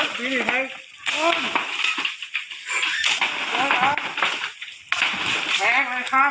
เอาเลยทีนี้เอาลงฝากเอาลง